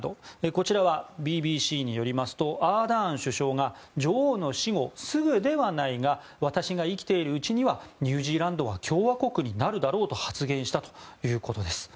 こちらは、ＢＢＣによりますとアーダーン首相が女王の死後すぐではないが私が生きているうちにはニュージーランドは共和国になるだろうと発言したということです。